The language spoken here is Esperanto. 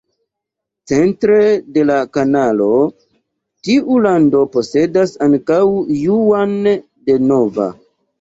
Centre de la kanalo, tiu lando posedas ankaŭ Juan de Nova.